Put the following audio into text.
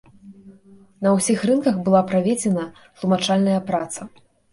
На ўсіх рынках была праведзена тлумачальная праца.